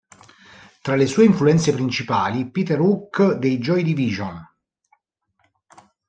Tra le sue influenze principali, Peter Hook, dei Joy Division.